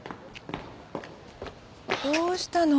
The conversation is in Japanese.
どうしたの？